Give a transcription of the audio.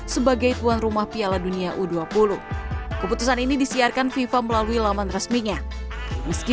sebagai tuan rumah piala dunia u dua puluh keputusan ini disiarkan fifa melalui laman resminya meski